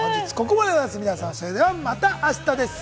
それではまた明日です